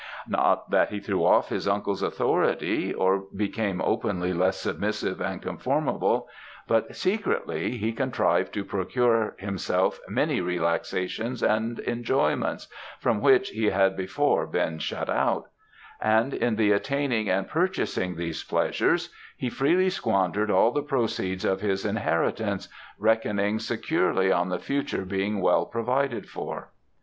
Not that he threw off his uncle's authority, or became openly less submissive and conformable; but secretly he contrived to procure himself many relaxations and enjoyments, from which he had before been shut out; and in the attaining and purchasing these pleasures he freely squandered all the proceeds of his inheritance, reckoning securely on the future being well provided for.